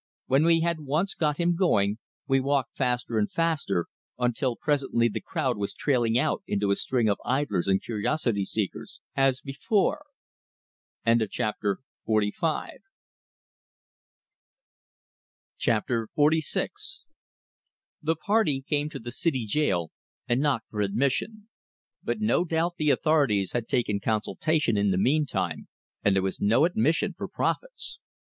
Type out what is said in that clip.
When we had once got him going, we walked him faster and faster, until presently the crowd was trailing out into a string of idlers and curiosity seekers, as before. XLVI The party came to the city jail, and knocked for admission. But no doubt the authorities had taken consultation in the meantime, and there was no admission for prophets.